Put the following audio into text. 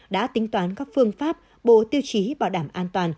đã tính toán các phương pháp bộ tiêu chí bảo đảm an toàn